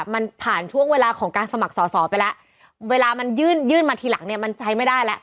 มันผ่านช่วงเวลาของการสมัครสอสอไปแล้วเวลามันยื่นยื่นมาทีหลังเนี่ยมันใช้ไม่ได้แล้ว